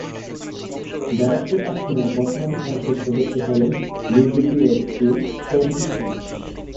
ব্যারাকপুর আসনের বর্তমান সংসদ সদস্য হলেন বিজেপি-এর শ্রী অর্জুন সিং।